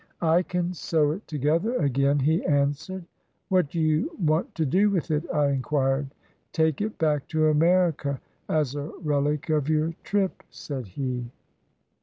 "I can sew it together again," he answered. "What do you want to do with it?" I inquired. "Take it back to America as a relic of your trip," said he.